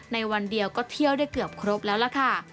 ในวันเดียวก็เที่ยวได้เกือบครบแล้วล่ะค่ะ